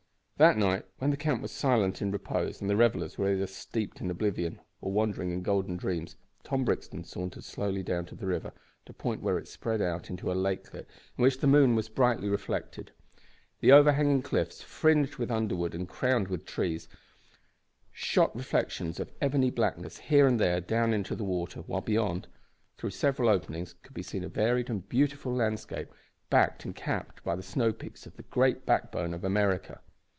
That night, when the camp was silent in repose, and the revellers were either steeped in oblivion or wandering in golden dreams, Tom Brixton sauntered slowly down to the river at a point where it spread out into a lakelet, in which the moon was brightly reflected. The overhanging cliffs, fringed with underwood and crowned with trees, shot reflections of ebony blackness here and there down into the water, while beyond, through several openings, could be seen a varied and beautiful landscape, backed and capped by the snow peaks of the great backbone of America.